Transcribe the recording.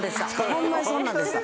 ホンマにそんなんでした。